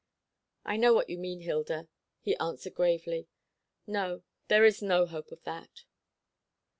"I know what you mean, Hilda," he answered gravely. "No, there is no hope of that."